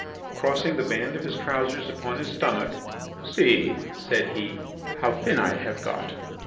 Crossing the band of his trousers upon his stomach. "See," said he, "how thin I have got."